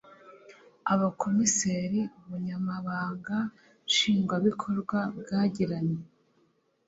Abakomiseri Ubunyamabanga Nshingwabikorwa bwagiranye